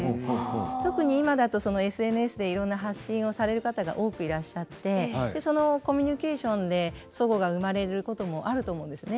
特に今だとＳＮＳでいろんな発信をされる方が多くいらっしゃってでそのコミュニケーションでそごが生まれることもあると思うんですね。